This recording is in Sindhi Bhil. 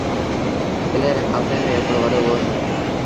ڪلي ري پآسي ميݩ هڪڙو وڏو ڳوٺ اهي۔